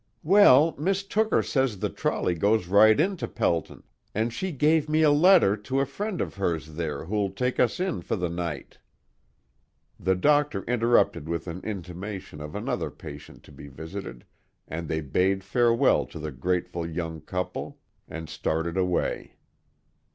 "Well, Mis' Tooker says the trolley goes right into Pelton, and she gave me a letter to a friend of hers there who'll take us in for the night " The doctor interrupted with an intimation of another patient to be visited, and they bade farewell to the grateful young couple and started away.